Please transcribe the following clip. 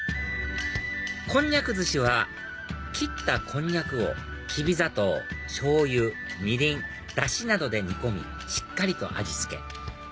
こんにゃく寿司は切ったこんにゃくをきび砂糖しょうゆみりんダシなどで煮込みしっかりと味付け